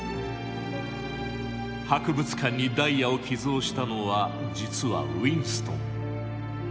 博物館にダイヤを寄贈したのは実はウィンストン。